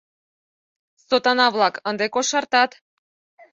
Сотана-влак, ынде кошартат!